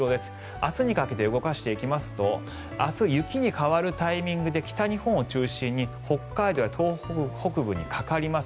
明日にかけて動かしていきますと明日、雪に変わるタイミングで北日本を中心に北海道や東北北部にかかります。